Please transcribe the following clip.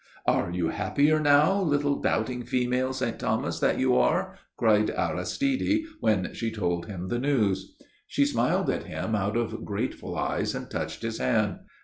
"Are you happier now, little doubting female St. Thomas that you are?" cried Aristide when she had told him the news. She smiled at him out of grateful eyes, and touched his hand.